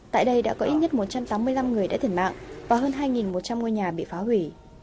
tại đây đã có ít nhất một trăm tám mươi năm người đã thiệt mạng và hơn hai một trăm linh ngôi nhà bị phá hủy